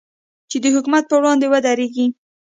چې د حکومت پر وړاندې ودرېږي.